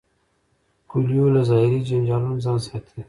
کویلیو له ظاهري جنجالونو ځان ساتي.